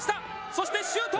そしてシュート！